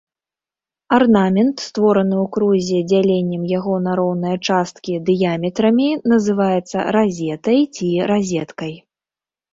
Арнамент, створаны ў крузе дзяленнем яго на роўныя часткі дыяметрамі, называецца разетай, ці разеткай.